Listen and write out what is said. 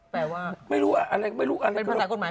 แปลว่าเป็นปราสาคกฎไม้หมดเลยไม่รู้อะไร